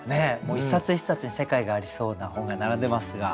一冊一冊に世界がありそうな本が並んでますが。